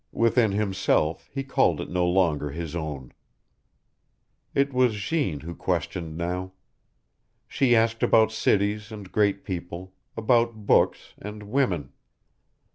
Within himself he called it no longer his own. It was Jeanne who questioned now. She asked about cities and great people, about books and WOMEN.